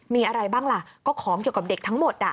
มีอะไรบ้างล่ะก็ของเกี่ยวกับเด็กทั้งหมด